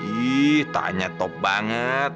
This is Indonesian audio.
ih tanya top banget